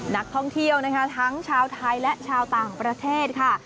นักท่องเที่ยวนะคะทั้งชาวไทยและชาวต่างประเทศค่ะ